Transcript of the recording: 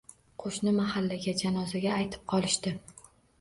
Qo`shni mahallaga janozaga aytib qolishdi